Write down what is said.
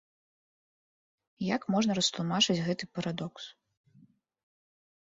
Як можна растлумачыць гэты парадокс?